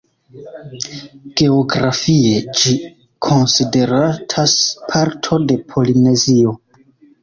Geografie, ĝi konsideratas parto de Polinezio.